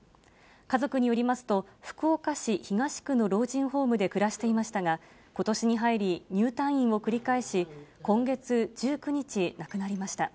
家族によりますと、福岡市東区の老人ホームで暮らしていましたが、ことしに入り、入退院を繰り返し、今月１９日、亡くなりました。